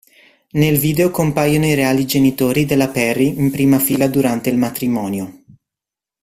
Nel video compaiono i reali genitori della Perry in prima fila durante il matrimonio.